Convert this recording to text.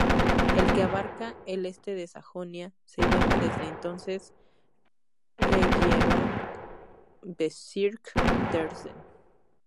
El que abarca el Este de Sajonia se llama desde entonces "Regierungsbezirk Dresden".